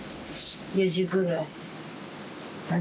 ４時ぐらい？